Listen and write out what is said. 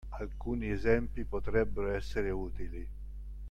Alcuni esempi potrebbero essere utili